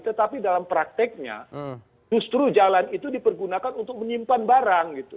tetapi dalam prakteknya justru jalan itu dipergunakan untuk menyimpan barang gitu